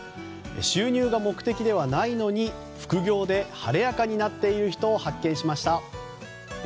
収入が目的ではないのに副業で晴れやかになっている人を発見しました。